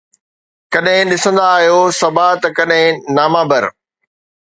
ڪڏهن ڏسندا آهيون صبا ته ڪڏهن ناما بر